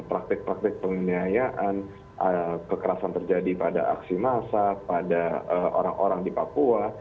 praktik praktek penganiayaan kekerasan terjadi pada aksi massa pada orang orang di papua